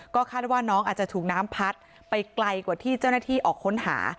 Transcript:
ก็คาดว่าน้องอาจจะถูกน้ำพัดไปไกลกว่าที่เจ้าหน้าที่ออกค้นหา